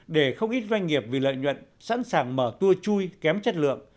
để không ít doanh nghiệp vì lợi nhuận sẵn sàng mở tour chui kém chất lượng